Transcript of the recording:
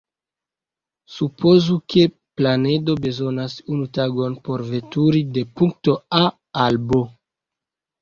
Supozu, ke planedo bezonas unu tagon por veturi de punkto "A" al "B".